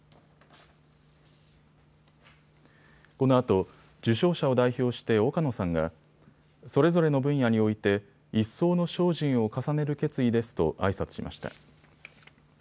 このあと受章者を代表して岡野さんがそれぞれの分野において一層の精進を重ねる決意ですとあいさつしました。